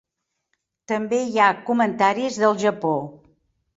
També hi ha comentaris del Japó.